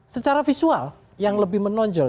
secara visual yang lebih menonjol